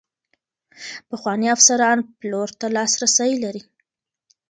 پخواني افسران پلور ته لاسرسی لري.